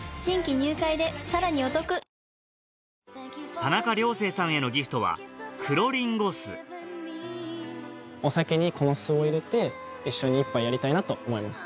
田中涼星さんへのギフトは黒リンゴ酢お酒にこの酢を入れて一緒に一杯やりたいなと思います。